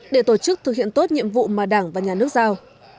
để tổ chức thực hiện tốt nhiệm vụ mà đảng và nhà nước giao